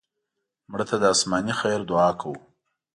مړه ته د آسماني خیر دعا کوو